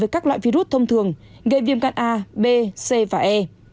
các loại virus thông thường gây viêm gan a b c và e